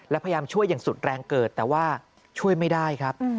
และพยายามช่วยอย่างสุดแรงเกิดแต่ว่าช่วยไม่ได้ครับ